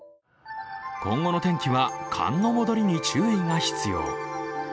今後の天気は、寒の戻りに注意が必要。